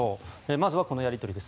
まずは、このやり取りです。